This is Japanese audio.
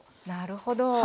なるほど。